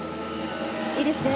いいですね。